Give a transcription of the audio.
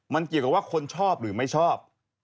มันเกี่ยวกับว่าคนชอบหรือไม่ชอบ